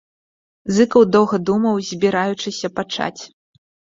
Зыкаў доўга думаў, збіраючыся пачаць.